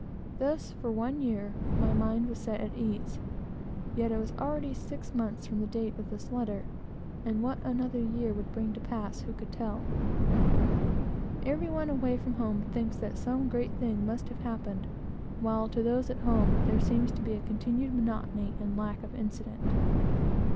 Thus, for one year, my mind was set at ease, yet it was already six months from the date of the letter, and what another year would bring to pass, who could tell? Every one away from home thinks that some great thing must have happened, while to those at home there seems to be a continued monotony and lack of incident.